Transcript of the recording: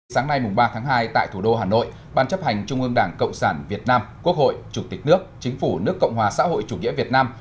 sáng nay ba tháng hai tại thủ đô hà nội ban chấp hành trung ương đảng cộng sản việt nam quốc hội chủ tịch nước chính phủ nước cộng hòa xã hội chủ nghĩa việt nam